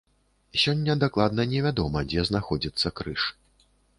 Сёння дакладна не вядома, дзе знаходзіцца крыж.